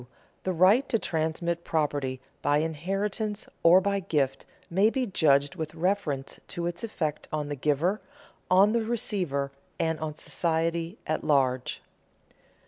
_The right to transmit property by inheritance or by gift may be judged with reference to its effect on the giver, on the receiver, and on society at large.